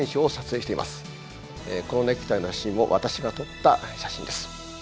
このネクタイの写真も私が撮った写真です。